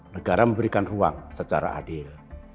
negara memberikan ruang secara adil